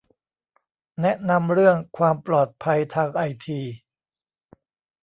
แนะนำเรื่องความปลอดภัยทางไอที